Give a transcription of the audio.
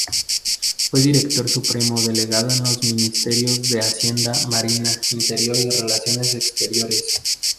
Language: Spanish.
Fue director supremo delegado en los ministerios de Hacienda, Marina, Interior y Relaciones Exteriores.